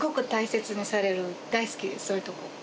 そういうとこ。